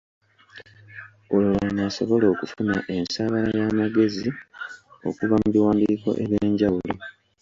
Olwo lw’anaasobola okufuna ensaabala y’amagezi okuva mu biwandiiko eby’enjawulo.